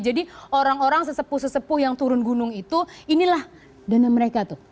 orang orang sesepuh sesepuh yang turun gunung itu inilah dana mereka tuh